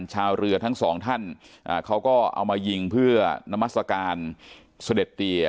ชาวเรือทั้งสองท่านเขาก็เอามายิงเพื่อนมัศกาลเสด็จเตีย